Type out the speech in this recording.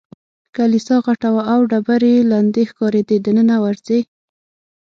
کلیسا غټه وه او ډبرې یې لندې ښکارېدې، دننه ورځې؟